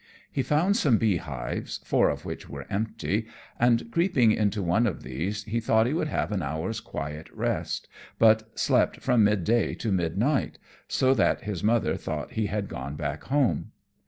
He found some beehives, four of which were empty, and creeping into one of these he thought he would have an hour's quiet rest, but slept from mid day to mid night, so that his mother thought he had gone back home.